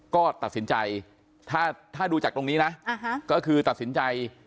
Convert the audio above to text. ก็ตัดสินใจถ้าดูจากตรงนี้นะก็คือตัดสินใจ